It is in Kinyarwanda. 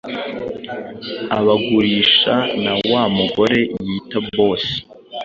abagurisha na wa mugore yita 'boss',